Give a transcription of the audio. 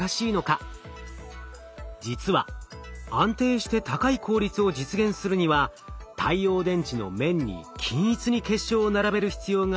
実は安定して高い効率を実現するには太陽電池の面に均一に結晶を並べる必要があります。